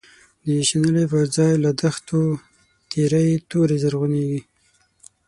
د شنلی بر ځای له دښتو، تیری توری زرعونیږی